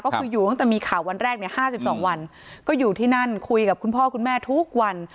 ก็คืออยู่ตั้งแต่มีข่าววันแรกเนี่ย๕๒วันก็อยู่ที่นั่นคุยกับคุณพ่อคุณแม่ทุกวัน